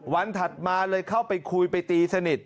ถัดมาเลยเข้าไปคุยไปตีสนิท